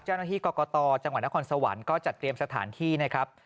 เจ้าหน้าที่กรกตจังหวัดนครสวรรค์ก็จัดเตรียมสถานที่นะครับ